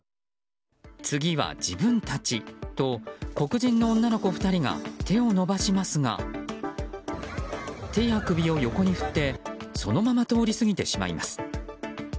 次は自分たちと黒人の女の子２人が手を伸ばしますが手や首を横に振ってそのまま通り過ぎてしまいます。